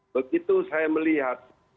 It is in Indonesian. begitu saya melihat ini